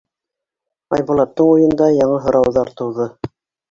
Айбул аттың уйында яңы һорауҙар тыуҙы: